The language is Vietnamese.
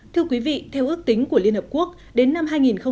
thưa quý vị theo ước tính của liên hợp quốc đến năm hai nghìn hai mươi